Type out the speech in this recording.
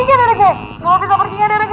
lo bisa pergi gak derek g